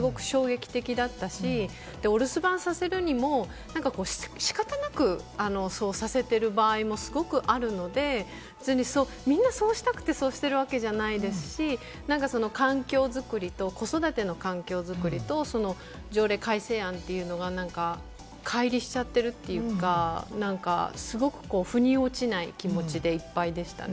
ただ親としてはこのニュースを聞いたときに本当にびっくりして、まず虐待という言葉が衝撃的だったし、お留守番させるにも仕方なくそうさせている場合もすごくあるので、みんなそうしたくてそうしているわけじゃないですし、環境作りと子育ての環境作りと、その条例改正案というのが乖離しちゃっているというか、なんかすごく腑に落ちない気持ちでいっぱいでしたね。